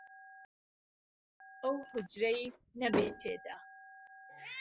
ئهو حوجرەی نهبێ تێدا